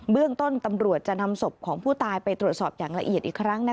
เรื่องต้นตำรวจจะนำศพของผู้ตายไปตรวจสอบอย่างละเอียดอีกครั้ง